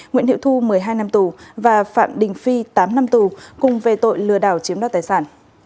nguyễn hiệu thu một mươi hai năm tù và phạm đình phi tám năm tù cùng về tội lừa đảo chiếm đoạt tài sản